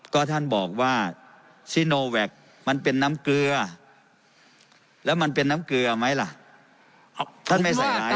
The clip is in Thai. ก็ท่านบอกว่าซิโนแวคมันเป็นน้ำเกลือแล้วมันเป็นน้ำเกลือไหมล่ะท่านไม่ใส่ร้าย